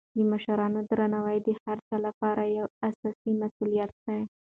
د مشرانو درناوی د هر چا لپاره یو اساسي مسولیت دی.